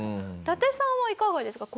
伊達さんはいかがですか？